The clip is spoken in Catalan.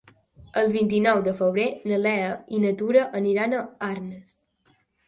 El vint-i-nou de febrer na Lea i na Tura aniran a Arnes.